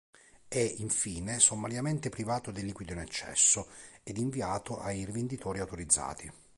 È, infine, sommariamente privato del liquido in eccesso ed inviato ai rivenditori autorizzati.